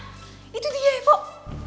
hah itu dia ya pok